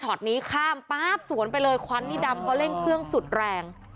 ของชอดนี้ข้ามป๊ากษวนไปเลยควั้นที่ดำก็เล่งเครื่องสุดแรง